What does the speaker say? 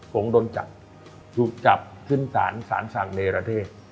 ผมโดนจับถูกจับขึ้นสารสารสั่งเนรเทศ